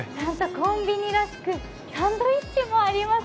コンビニらしくサンドイッチもあります。